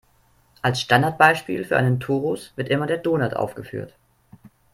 Als Standardbeispiel für einen Torus wird immer der Donut aufgeführt.